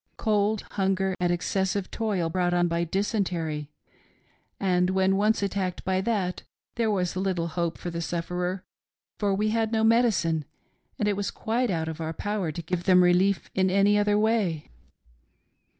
Cold, hunger, and excessive toil brought on dysentery, and when once attacked by that, there was little hope for the sufferer, for we had no medicine, and it was quite out of our power to give them relief in any other way.